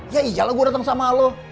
ya iyalah gue datang sama lo